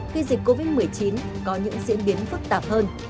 khi dịch covid một mươi chín có những diễn biến phức tạp hơn